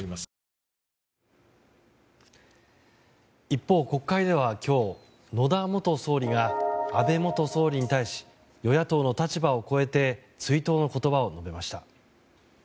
一方、国会では今日野田元総理が安倍元総理に対し与野党の立場を超えて追悼の言葉を述べました。